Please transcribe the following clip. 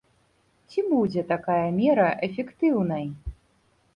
Ці будзе такая мера эфектыўнай?